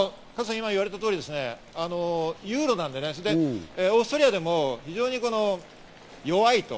今言われた通り、ユーロなんでね、オーストリアでも非常に弱いと。